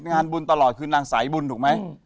งานบุญตลอดคือนางสายบุญถูกไหม